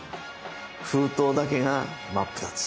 封筒だけが真っ二つ！